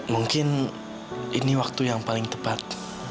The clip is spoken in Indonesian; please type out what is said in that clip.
mungkin ini waktu yang paling tepat